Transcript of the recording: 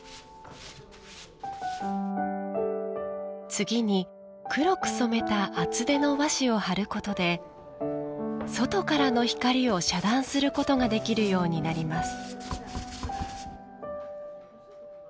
次に、黒く染めた厚手の和紙を張ることで外からの光を遮断することができるようになります。